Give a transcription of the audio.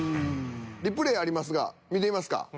リプレーありますが見てみますか？